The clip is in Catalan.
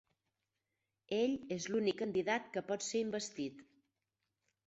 Ell és l'únic candidat que pot ser investit.